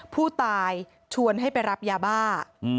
ผู้ตายชวนให้ไปรับยาบ้า